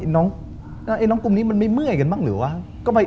น้องกลุ่มนี้มันไม่เมื่อยกันบ้างหรือวะ